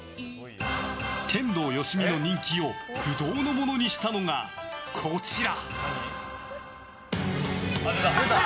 天童よしみの人気を不動のものにしたのがこちら。